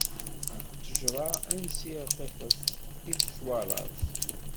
Ṭṭejṛa ansi ṛqiqet, i tettwaṛṛaẓ.